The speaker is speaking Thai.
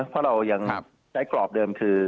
เพราะเรายังใช้กรอบเดิมคือ